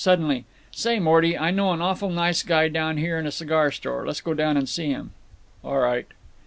Suddenly: "Say, Morty, I know an awful nice guy down here in a cigar store. Let's go down and see him." "All right."